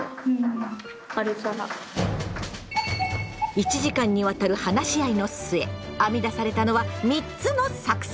１時間にわたる話し合いの末編み出されたのは３つの作戦！